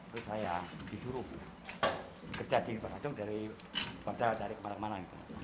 terus saya disuruh kerja di batu dari kemana mana